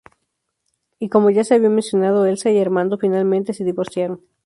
Y como ya se había mencionado, Elsa y Armando finalmente se divorciaron.